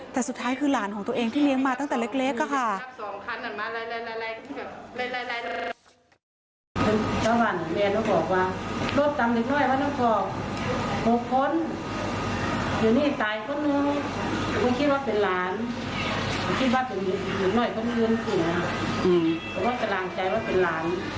แต่สุดท้ายคือหลานของตัวเองที่เลี้ยงมาตั้งแต่เล็กค่ะ